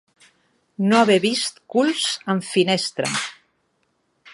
No haver vist culs en finestra.